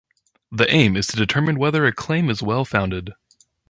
The aim is to determine whether a claim is well founded.